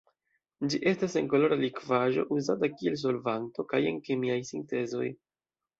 Ĝi estas senkolora likvaĵo uzata kiel solvanto kaj en kemiaj sintezoj.